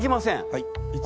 はい。